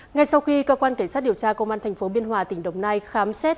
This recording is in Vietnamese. ngay sau khi cơ quan cảnh sát điều tra công an tp biên hòa tỉnh đồng nai khám xét